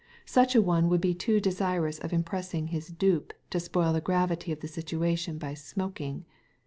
Such a one would be too desirous of impressing his dupe to spoil the gravity of the situation by smoking.